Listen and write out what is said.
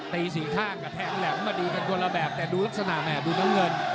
สี่ข้างกับแทงแหลมมาดีกันคนละแบบแต่ดูลักษณะแหม่ดูน้ำเงิน